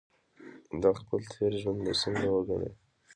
دا خپل تېر ژوند به څنګه وګڼي.